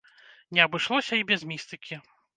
Не абышлося і без містыкі.